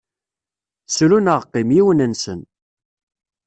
Sru neɣ qqim, yiwen-nsen.